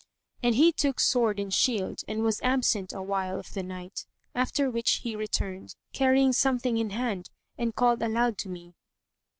And he took sword and shield and was absent a while of the night, after which he returned, carrying something in hand and called aloud to me.